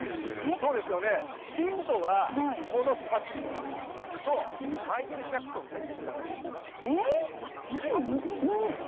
そうですよね、ヒントは、この砂丘とマイケル・ジャクソンです。